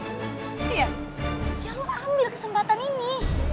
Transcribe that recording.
ya lo ambil kesempatan ini